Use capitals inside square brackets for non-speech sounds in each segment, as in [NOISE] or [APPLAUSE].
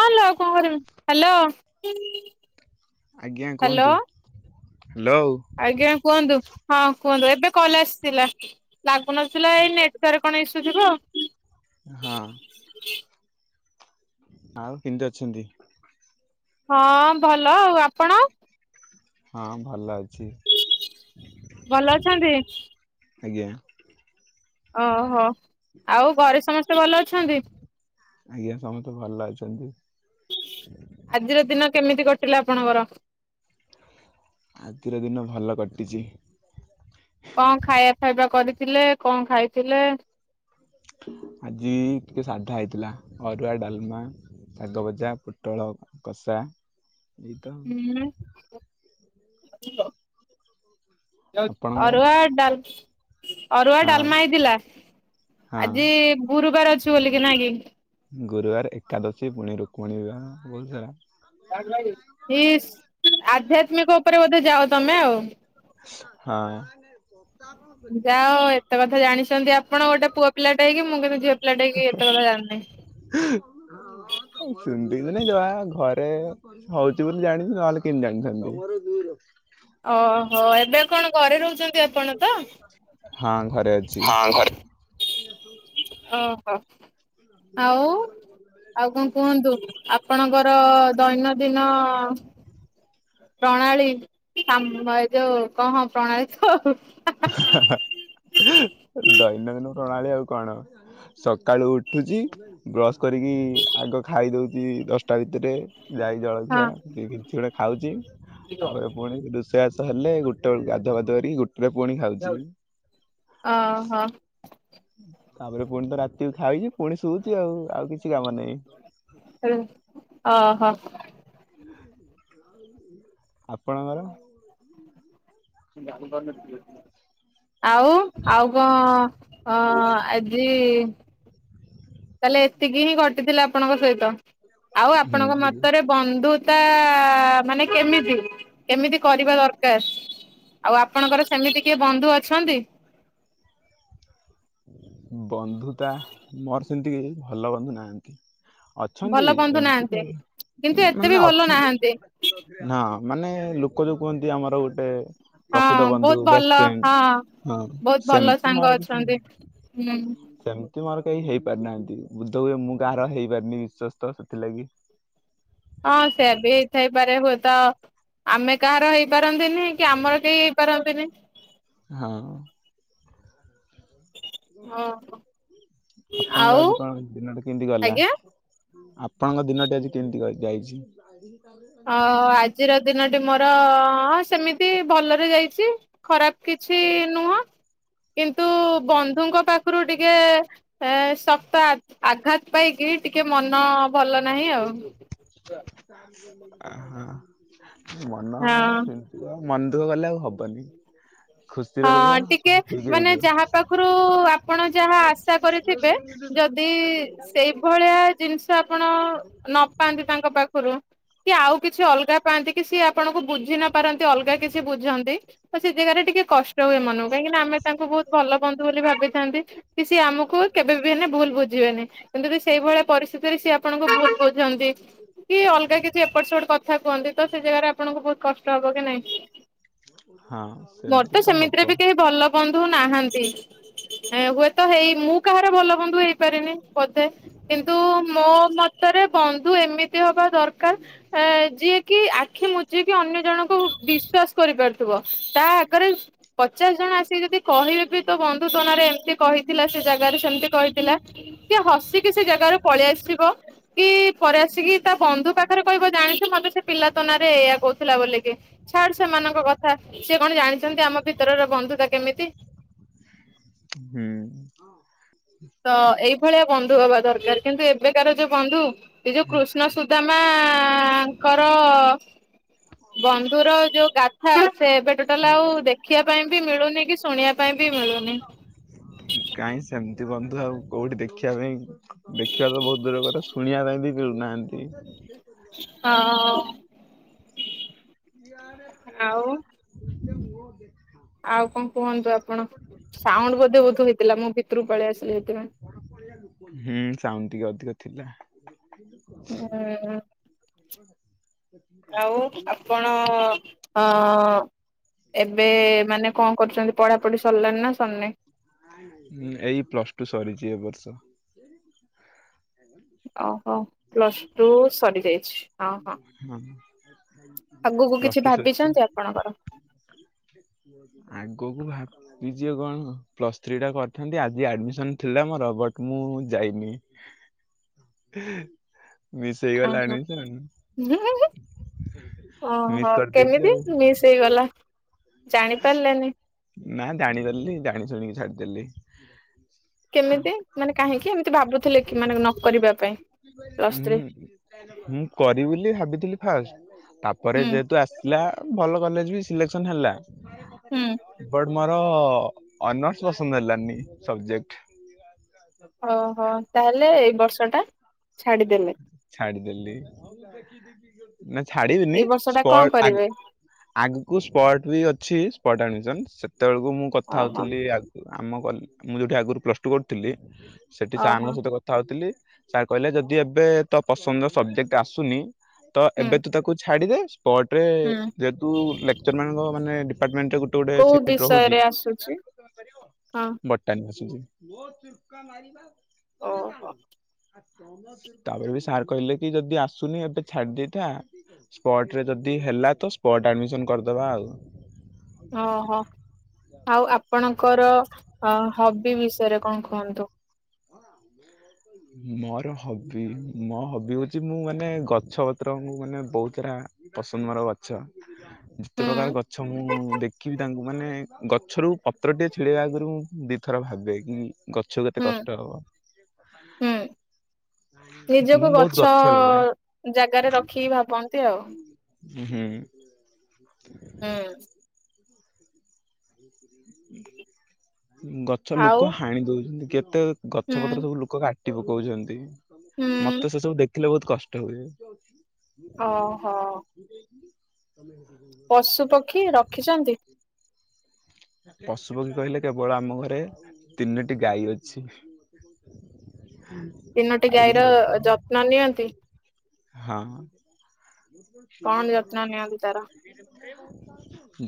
Hello କଂ କରିବି hello. ଆଜ୍ଞା କୁହନ୍ତୁ ହ୍ୟାଲୋ ହ୍ୟାଲୋ। ଆଜ୍ଞା କୁହନ୍ତୁ ହଁ କୁହନ୍ତୁ ଏବେ କଲ ଆସିଥିଲା। ଲାଗୁନଥିଲା ଏଇ ନେଟୱର୍କ କଣ ଇସୁ ଥିବ। ହଁ। ଆଉ କିମତି ଅଛନ୍ତି? ହଁ ଭଲ ଆଉ ଆପଣ। ହଁ ଭଲ ଅଛି। ଭଲ ଅଛନ୍ତି ଆଜ୍ଞା। ଓହୋ ଆଉ ଘରେ ସମସ୍ତେ ଭଲ ଅଛନ୍ତି। ଆଜ୍ଞା ସମସ୍ତେ ଭଲ ଅଛନ୍ତି। ଆଜିର ଦିନ କେମିତି କଟିଲା ଆପଣଙ୍କର। ଆଜିର ଦିନ ଭଲ କଟିଚି। କଂ ଖାଇବା ଫାଇବା କରିଥିଲେ କଂ ଖାଇଥିଲେ। ଆଜି ଟିକେ ସାଧା ହେଇଥିଲା ଅରୁଆ ଡାଲମା ଶାଗ ଭଜା ପୋଟଳ କଷା ଏଇ ତ ହୁଁ। [INAUDIBLE] ଆପଣଙ୍କର? ଅରୁଆ ଡାଲ ଅରୁଆ ହଁ ଡାଲମା ହେଇଥିଲା ହଁ ଆଜି ଗୁରୁବାର ଅଛି ବୋଲିକି ନାଁ କି। ଗୁରୁବାର ଏକାଦଶୀ ପୁଣି ରୁକ୍ମଣୀ ବିବାହ ବହୁତ ସାରା। ଇସ୍ ଆଧ୍ୟାତ୍ମିକ ଉପରେ ବୋଧେ ଯାଅ ତମେ ଆଉ। ହଁ। ଯାଅ ଏତେ କଥା ଜାଣିଛନ୍ତି ଆପଣ ଗୋଟେ ପୁଅ ପିଲାଟେ ହେଇକିି ମୁଁ କିନ୍ତୁ ଝିଅ ପିଲାଟେ ହେଇକି ଏତେ କଥା ଜାଣିନେହିଁ। [INAUDIBLE] ସେମିତି କିଛି ନାହିଁ ଯ ଆ ଘରେ ହଉଚି ବୋଲି ଜାଣିଚି ନହେଲେ କେମିତି ଜାଣିଥାନ୍ତି। ଓହୋ ଏବେ କଣ ଘରେ ରହୁଛନ୍ତି ଆପଣ ତ। ହଁ ଘରେ। ଅଛି। [INAUDIBLE] ଓହୋ। ଆଉ ଆଉ କଣ କୁହନ୍ତୁ [INAUDIBLE] ଆପଣଙ୍କର ଦୈନନ୍ଦିନ ପ୍ରଣାଳୀ ହାଁମ୍ ମ ଏ ଯୋଉ କ ହଁ ପ୍ରଣାଳୀ [UNINTELLIGIBLE] ଦୈନନ୍ଦିନ ପ୍ରଣାଳୀ ଆଉ କଣ। ସକାଳୁ ଉଠୁଚି ବ୍ରସ୍ କରିକି ଆଗ ଖାଇ ଦଉଚି ଦଶଟା ଭିତରେ। ଯାଇ ଜଳଖିଆ କି କିଛି ଗୋଟେ ଖାଉଚି ତାପରେ ପୁଣି ରୋଷେଇ ବାସ ହେଲେ ଗୋ ଟେ ବେଳୁ ଗାଧୁଆ ପାଧୁଆ କରିକି ଗୋଟେରେ ପୁଣି ଖାଉଚି। ଅହ। ତାପରେ ପୁଣି ତ ରାତି କୁ ଖାଉଚି ପୁଣି ଶୋଉଚି ଆଉ ଆଉ କିଛି କାମ ନାହିଁ। ହୁଁ ଅହ। ଆପଣଙ୍କର ଜାଣିପାରୁନଥିଲୁ କି? ଆଉ ଆଉ କଣ ଅ ଆଜି ତାହେଲେ ଏତିକି ହିଁ ଘଟିଥିଲା ଆପଣଙ୍କ ସହିତ। ଆଉ ହୁଁ ଆପଣଙ୍କ ଆଜ୍ଞା। ମତରେ ବନ୍ଧୁତା ତା ମାନେ କେମିତି କେମିତି କରିବା ଦରକାର? ଆଉ ଆପଣଙ୍କର ସେମିତି କିଏ ବନ୍ଧୁ ଅଛନ୍ତି? ବନ୍ଧୁତା ମୋର ସେମିତି ଭଲ ବନ୍ଧୁ ନାହାନ୍ତି। ଭଲ ଅଛନ୍ତି ବନ୍ଧୁ ଏମିତି ନାହାନ୍ତି। କିନ୍ତୁ ଭଲ ଏତେ ବି ମାନେ ଭଲ ନାହାନ୍ତି। ଅଛନ୍ତି। ନା ମାନେ ଲୋକ ଯୋଉ କୁହନ୍ତି ଆମର ଗୋଟେ ପ୍ରକୃତ ହଁ ବନ୍ଧୁ ବହୁତ ବେଷ୍ଟ ଭଲ ଫ୍ରେଣ୍ଡ ହଁ ହଁ ବହୁତ ଭଲ ସେମିତି ମୋର ସାଙ୍ଗ କିଛି ଅଛନ୍ତି ନାହିଁ ହୁଁ। ସେମିତି ମୋର କେହି ହେଇପାରିନାହାନ୍ତି। ବୋଧ ହୁଏ ମୁଁ କାହାର ହେଇପାରିନି ବିଶ୍ଵସ୍ତ ସେଥିଲାଗି। ହଁ ସେଇଆ ବି ହେଇ ଥାଇପାରେ ହୁଏ ତ ଆମେ କାହାର ହେଇପାରନ୍ତିନି କି ଆମର କେହି ହେଇପାରନ୍ତିନି। ହଁ। ହଁ ଆଉ ଆପଣଙ୍କର ଆଜି କଣ ଦିନ ଟା କେମିତି ଗଲା? ଆଜ୍ଞା। ଆପଣଙ୍କ ଦିନଟା ଆଜି କେମିତି କଣ ଯାଇଛି? [INAUDIBLE] ଓ ଆଜିର ଦିନଟି ମୋର ସେମିତି ଭଲରେ ଯାଇଛି। ଖରାପ କିଛି ନୁହଁ କିନ୍ତୁ ବନ୍ଧୁଙ୍କ ପାଖରୁ ଟିକେ ଏ ଶକ୍ତ ଆ ଆଘାତ ପାଇକି ଟିକେ ମନ ଭଲ ନାହିଁ ଆଉ। ଆ ମନ ହଁ। ମନ ଦୁଃଖ କଲେ ଆଉ ହବନି ଖୁସିର ରୁହ ହଁ ଟିକେ ସବୁ ଠିକ ହେଇ ମାନେ ଯାହା ପାଖରୁ ଆପଣ ଯାହା ଆଶା କରିଥିବେ ଯଦି ସେଇ ଏ ଭଳିଆ ଜିନିଷ ଆପଣ ନ ପାଆନ୍ତି ତାଙ୍କ ପାଖରୁ କି ଆଉ କିଛି ଅଲଗା ପାଆନ୍ତି କି ସିଏ ଆପଣଙ୍କୁ ବୁଝି ନ ପାରନ୍ତି ଅଲଗା କିଛି ବୁଝନ୍ତି ତ ସେ ଜାଗାରେ ଟିକେ କଷ୍ଟ ହୁଏ ମନକୁ କାହିଁକିନା ଆମେ ତାଙ୍କୁ ବହୁତ ଭଲ ବନ୍ଧୁ ବୋଲି ଭାବିଥାନ୍ତି। କି ସିଏ ଆମକୁ କେବେ ବି ହେନେ ଭୁଲ ବୁଝିବେନି କିନ୍ତୁ ସେଇ ଭଳିଆ ପରିସ୍ଥିତିରେ ସିଏ ଆପଣଙ୍କୁ ଭୁଲ୍ ବୁଝନ୍ତି। କି ଅଲଗା କିଛି ଏପଟ ସେପଟ କଥା କୁହନ୍ତି ତ ସେ ଜାଗାରେ ଆପଣଙ୍କୁ ବହୁତ କଷ୍ଟ ହବ କି ନାଇଁ? ହଁ। ମୋର ସେମିତି ତ ହବ ସେମିତିରେ ବି କେହି ଭଲ ବନ୍ଧୁ ନାହାନ୍ତି। ଏ ହୁଏତ ହେଇ ମୁଁ କାହାର ଭଲ ବନ୍ଧୁ ହେଇପାରିନି ବୋଧେ। କିନ୍ତୁ ମୋ ମତରେ ବନ୍ଧୁ ଏମିତି ହବା ଦରକାର ଆ ଯିଏ କି ଆଖି ମୁଜିକି ଅନ୍ୟ ଜଣଙ୍କୁ ବିଶ୍ଵାସ କରିପାରୁଥିବ ତା ଗରେ ପଚାଶ ଜଣ ଆସିକି ଯଦି କହିବେବି ତୋ ବନ୍ଧୁ ତୋ ନାରେ ଏମିତି କହିଥିଲା ସେ ଜାଗାରେ ସେମିତି କହିଥିଲା ସିଏ ହସିକି ସେ ଜାଗାରୁ ପଳେଇ ଆସିବ। କି ପରେ ଆସିକି ତା ବନ୍ଧୁ ପାଖରେ କହିବ ଜାଣିଛୁ ମତେ ସେ ପିଲା ତୋନାରେରେ ଏଇୟା କହୁ ଥିଲା ବୋଲିକି। ଛାଡ଼ ସେମାନଙ୍କ କଥା ସେ କଣ ଜାଣିଛନ୍ତି ଆମ ଭିତରର ବନ୍ଧୁତା କେମିତି। ହୁଁ। ତ ଏଇଭଳିଆ ବନ୍ଧୁ ହବା ଦରକାର କିନ୍ତୁ ଏବେକାର ଯୋଉ ବନ୍ଧୁ ଏ ଯୋଉ କୃଷ୍ଣ ସୁଦାମାଙ୍କର ବନ୍ଧୁର ର ଯୋଉ ଗାଥା ସେ ଏବେ ଟୋଟାଲ ଆଉ ଦେ ଦେଖିବା ପାଇଁ ବି ମିଳୁନି କି ଶୁଣିବା ପାଇଁ ବି ମିଳୁନି। କାହିଁ ସେମିତି ବନ୍ଧୁ ଆଉ କୋଉଠି ଦେଖିବା ପାଇଁ ଦେଖିବା ତ ବହୁତ ଦୂର କରେ ଶୁଣିବା ପାଇଁ ବି ମିଳୁନାହାନ୍ତି। ହଁ। ଆଉ [INAUDIBLE] ଆଉ କଣ କୁହନ୍ତୁ ଆପଣ ସାଉଣ୍ଡ ବ ବହୁତ ହେଇଥିଲା ମୁଁ ଭିତରରୁ ପଳେଇ ଆସିଲି ସେଇଥିପାଇଁ। ହୁଁ ସାଉଣ୍ଡ ଟିକେ ଅଧିକ ଥିଲା। ହୁଁ। [INAUDIBLE] ଆଉ ଆପଣ ଅ ଏବେ ମାନେ କଣ କରୁଛନ୍ତି ପଢାପଢି ସରିଲାଣି ନା ସରନେ। ଏଇ ପ୍ଲସ ଟୁ ସରିଛି ଏ ବର୍ଷ। ଓହୋ ପ୍ଲସ୍ ଟୁ ସରିଯାଇଛି। ହ ହଁ ଆଗକୁ ପ୍ଲସ କିଛି ଟୁ ସରିଛି। ଭାବିଛନ୍ତି ଆପଣଙ୍କର। ଆଗକୁ ଭାବ ଝିଅ କଣ ପ୍ଲସ ଥ୍ରୀ ଟା କରିଛନ୍ତି ଆଜି ଆଡମିସନ ଥିଲା ମୋର ବଟ ମୁଁ ଯାଇମି। ମିଶେଇ ଓହୋ ଗଲାଣି। ମିସ୍ ଓହୋ କରିଦେଇଛି କେମିତି ଆଉ ମି ହେଇଗଲା ଜାଣି ପାରିଲାନି। ନା ଜାଣିଦଲି ଜାଣି ଶୁଣିକି ଛାଡିଦେଲି। କେମିତି ମାନେ କାହିଁକି ଏମିତି ଭାବୁଥିଲେ କି ମାନେ ନକ ପାଇଁ। Plus three? ହ ମୁଁ କରିବି ବୋଲି ଭାବିଥିଲି ଫାଷ୍ଟ ତାପରେ ହୁଁ ଯେହେତୁ ପ ଭଲ କଲେଜ ବି ସିଲେକ୍ସନ ହେଲା ହୁଁ। ବଟ ମୋର ଅନର୍ସ ପସନ୍ଦ ହେଲାନି ସବଜେକ୍ଟ। ଓହୋ ତାହେଲେ ଏଇ ବର୍ଷ ଟା ଛାଡିଦେଲେ। ଛାଡିଦେଲି ନା ଏଇ ବର୍ଷ ଟା କଣ ଛାଡିବିନିପଗ କରିବେ? ଆଗକୁ ସ୍ପଟ ବି ଅଛି ସ୍ପଟ ଆଡମିସନ ସେତେବେଳକୁ ମୁଁ କଥା ଓହୋ ହଉଥିଲି। ଆମ ମୁଁ ଯୋଉଠି ଆଗରୁ ପ୍ଲସ ଟୁ କରିଥିଲି ସେଠି ଓହୋ ସଙ୍କ ସହିତ କଥା ଥାଉଥିଲି ସାର୍ କହିଲେ ଯଦି ଏବେ ତୋ ପସନ୍ଦ ସବଜେକ୍ଟ ଆସୁନି। ତ ହୁଁ ଏବେ ତୁ ତାକୁ ଛାଡିଦେ ସ୍ପଟ ରେ ହୁଁ ଲେକ୍ଚର ମାନଙ୍କ ମାନେ ଡିପାର୍ଟମେଣ୍ଟରେ ଗୋଟେ। କୋଉ ରହୁ ବିଷୟରେ ଆସୁଛି? ହଁ ବଟ ଅଛି। ଓହୋ ତାପରେ ବି ସାର୍ କହିଲେ କି ଯଦି ଆସୁନି ଏବେ ଛାଡି ଦେଇେଥାଏ। ସ୍ପଟ ରେ ଯଦି ହେଲା ତ ସ୍ପଟ ଆଡମିସନ କରିଦବା ଆଉ ଓହୋ ଆଉ ଆପଣଙ୍କର ହବି ବିଷୟରେ କଣ କୁହନ୍ତୁ? ମୋର ହବି ମୋ ହବି ହଉଛି ମୁଁ ମାନେ ଗଛ ପତ୍ର ମୁ ମାନେ ବହୁତ ସାରା ପସନ୍ଦ ମର ବା। ଗ ଯେତେ ହୁଁ ପ୍ରକାର ଗଛ ମୁଁ ଦେଖିବି ତାଙ୍କୁ ମାନେ ଗଛରୁ ପତ୍ରଟିଏ ଛିଡ଼େଇବା ଆଗରୁ ମୁଁ ଦିଥର ଭାବେ କି ଗଛ କେତେ ହୁଁ କଷ୍ଟ ହବ। ହୁଁ [INAUDIBLE] ମୁଁ ନିଜକୁ ବହୁତ ଗଛ ଲଗାଏ ଜାଗାରେ ରଖିକି ଭାବନ୍ତି ଆଉ। ହୁଁ। ହୁଁ। ଗଛ ଆଉ ଲୋକ ହାଣି ଦଉଛନ୍ତି କେତେ ହୁଁ ଗଛ ପତ୍ର ସବୁ ଲୋକ କାଟି ପକଉଛନ୍ତି ହୁଁ ମତେ ସେ ସବୁ ଦେଖିଲେ ବହୁତ କଷ୍ଟ ହୁଏ। ଓହୋ। ପଶୁ ପକ୍ଷୀ ରଖିଛନ୍ତି। ପଶୁପକ୍ଷୀ କହିଲେ କେବଳ ଆମ ଘରେ ତିନୋଟି ଗାଈ ଅଛି। ହ। ତିନୋଟି ଗାଈର ଯତ୍ନ ନିଅନ୍ତି। ହଁ। କଣ ଯତ୍ନ ନିଅନ୍ତି ତାର?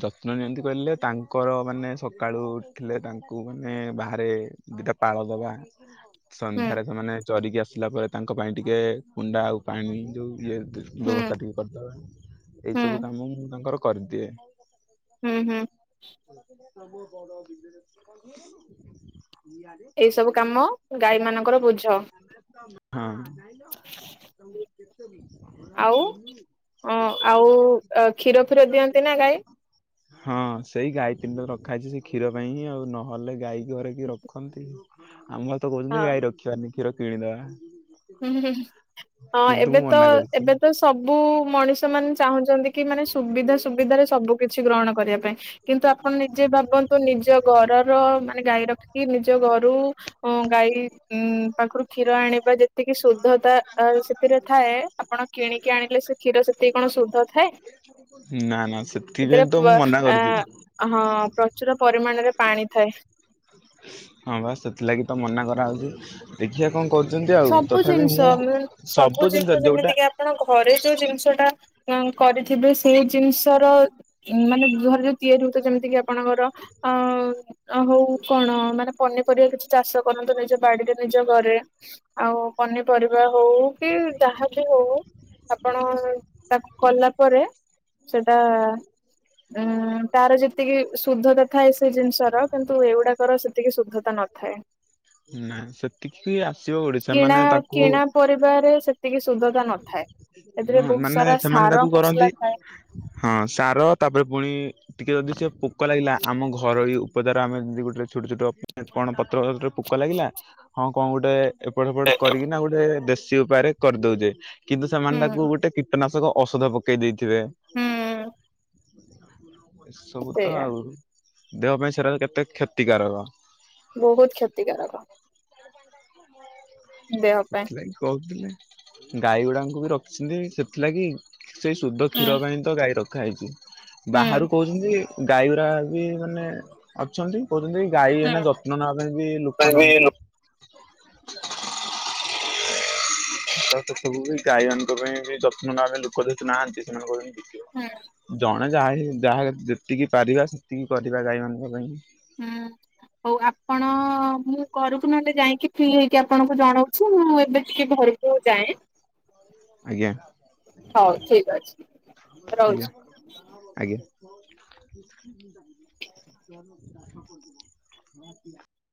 ଯତ୍ନ ନିଅନ୍ତି କହିଲେ ତାଙ୍କର ମାନେ ସକାଳୁ ଉଠିଲେ ତାଙ୍କୁ ମାନେ ବାହାରେ। ଦିଟା ପାଳ ଦବା। ହୁଁ ସନ୍ଧ୍ୟାରେ ସେମାନେ ଚରିକି ଆସିଲା ପରେ ତାଙ୍କ ପାଇଁ ଟିକେ କୁଣ୍ଡା ଆଉ ପାଣି ଯୋଉ ଇଏ। ହୁଁ ବ୍ୟବସ୍ଥା ଟିକେ କରିଦବା ଏଇ ହୁଁ ସବୁ କାମ ମୁଁ ତାଙ୍କର କରିଦିଏ। ହୁଁ ହୁଁ। [UNINTELLIGIBLE] ଇଆଡେ ଏଇ ହଁ। ସବୁ କାମ ଗାଈ ମାନଙ୍କର ବୁଝ। [UNINTELLIGIBLE] ଆଉ ହ ଆଉ କ୍ଷୀର ଫିର ଦିଅନ୍ତି ନା ଗାଈ। ହଁ ସେଇ ଗାଈ ତିନିଟା ରଖା ହେଇଛି ସେଇ କ୍ଷୀର ପାଇଁ ହିଁ ଆଉ ନହେଲେ ଗାଈ। ଘରେ କିଏ ରଖନ୍ତି ଆମ ଘରେ ତ ହଁ କହୁଛନ୍ତି ଗାଈ ରଖିବାନି କ୍ଷୀର କିଣିଦବା। ହୁଁ ହୁଁ ହ କିନ୍ତୁ ଏବେ ମୁଁ ତ ମନା କରୁଛି। ଏବେ ତ ସବୁ ମଣିଷ ମାନେ ଚାହୁଁଛନ୍ତି। କି ମାନେ ସୁବିଧା ସୁବିଧାରେ ସବୁ କିଛି ଗ୍ରହଣ କରିବା ପାଇଁ କିନ୍ତୁ ଆ ଆପଣ ନିଜେ ଭାବନ୍ତୁ ନିଜ ଘରର ମାନେ ଗାଈ ରଖିକି ନିଜ ଘରୁ। ଓ ଗାଈ ଉ ପାଖରୁ କ୍ଷୀର ଆଣିବା ଯେ ତିକି ଶୁଦ୍ଧତା ଆ ସେଥିରେ ଥାଏ ଆପଣ କିଣିକି ଆଣିଲେ ସେ କ୍ଷୀର ସେତିକି କଣ ଶୁଦ୍ଧ ଥାଏ। ନା ନା ସେଥିରେ ସେଥିପାଇଁ ପ ତ ମୁଁ ମନା କରୁଛି। ହଁ ପ୍ରଚୁର ପରିମାଣରେ ପାଣି ଥାଏ। ହଁ ବାସ ସେଥିଲାଗି ତ ମନା କରାହେଉଛି। ଦେଖିବା କଣ କରୁଛନ୍ତି ଆଉ ସବୁ ତଥାପି ଜିନିଷ ମୁଁ ସବୁ ଦିନ ଯଦି ଗୋଟା କାରଣ ଘରେ ଯୋଉ ଜିନିଷ ଟା ଉ କରିଥିବେ ସେଇ ଜିନିଷର। ମାନେ ଘରେ ଯୋଉ ତିଆରି ହଉଥିବ ଯେମିତି କିି ଆପଣଙ୍କର ଅ ଅ ହଉ କଣ ମାନେ ପନିପରିବା କିଛି ଚାଷ କରନ୍ତୁ ନିଜ ବାଡିରେ ନିଜ ଘରେ। ଆଉ ପନିପରିବା ହଉ କି ଯାହା ବି ହଉ। ଆପଣ ତାକୁ କଲା ପରେ। ସେଟା ଉଁ ତାର ଯେତିକି ଶୁଦ୍ଧତା ଥାଏ ସେ ଜିନିଷର। କିନ୍ତୁ ଏଇଗୁଡାକର ସେତିକି ଶୁଦ୍ଧତା ନଥାଏ। ନା ସେତିକି ବି ଆସିବ ଓଡିଶା ମାନେ ତାକୁ। ବାରେ ସେତିକି ସୁଦ୍ଧତା ନଥାଏ ସେଥିରେ ହଁ ବହୁତ ମାନେ ସାରା ସେମାନେ ସାର ତାକୁ କରନ୍ତି ମସଲା ଥାଏ। ହଁ ସାର ତାପରେ ପୁଣି। ଟିକେ ଯଦି ସେ ପୋକ ଲାଗିଲା ଆମ ଘରୋଇ ଉପଦାର ଆମେ ଯଦି ଗୋଟେ ଛୋଟ ଛୋଟ କଣ ପତ୍ର ପୋ କ ଲାଗିଲା ହଁ କଣ ଗୋଟେ। ଏପଟ ସେପଟ କରିକିନା ଗୋଟେ ଦେଶୀ ଉପାୟରେ କରିଦଉଛେ କିନ୍ତୁ ସେମାନେ ତା ଗୋଟେ କୀଟନାଶକ ଔଷଧ ପକେଇ ଦେଇଥିବେ। ଏସବୁ ତ ସେଇଆ ଆଉ ଦେହ ପାଇଁ ସେରାରେ କେତେ କ୍ଷତିକାରକ। ବହୁତ କ୍ଷତିକାରକ। [UNINTELLIGIBLE] ଦେହ ପାଇଁ। ସେଥିଲାଗି କହୁଥିଲେ ଗାଈଗୁଡାଙ୍କୁ ବି ରଖିଛନ୍ତି ସେଥିଲାଗି। ସେଇ ଶୁଦ୍ଧ ହୁଁ କ୍ଷୀର ପାଇଁ ତ ଗାଈ ରଖା ହେଇଛି ହୁଁ ବାହାରୁ କହୁଛନ୍ତି। ଗାଈ ଗୁରା ବି ମାନେ। ଅଛନ୍ତି କହୁଛନ୍ତି ଗାଈ ନା ହୁଁ ଯତ୍ନ ନେବା ପାଇଁ ବି ଲୋକ ନାହାନ୍ତି। ତ ସେସବୁ ବି ଗାଈ ମାନଙ୍କ ପାଇଁ ବି ଯତ୍ନ ନବା ପାଇଁ ଲୋକ ଯେହେତୁ ନାହାନ୍ତି ସେମାନଙ୍କ ପାଇଁ ଜଣେ ଯାହା ଯାହା ଯେତିକି ପାରିବା ସେତିକି କରିବା ଗାଈ ମାନଙ୍କ ପାଇଁ। ହୁଁ ହଉ ଆପଣ? ହଁ ମୁଁ ଘରକୁ ନହେଲେ ଯାଇକି ଫ୍ରି ହେଇକି ଆପଣଙ୍କୁ ଜଣାଉଛି ମୁଁ ଏବେ ଟିକେ ଘରକୁ ଯାଏଁ। ଆଜ୍ଞା ହଉ ଠିକ ଅଛି ଆଜ୍ଞା ରହୁଛି। ଆଜ୍ଞା। [UNINTELLIGIBLE]